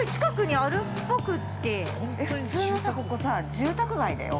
◆えっ、普通のさ、ここさ住宅街だよ。